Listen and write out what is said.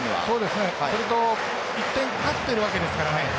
それと１点勝ってるわけですからね